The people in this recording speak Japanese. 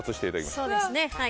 そうですねはい。